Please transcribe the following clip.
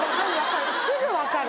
すぐ分かる。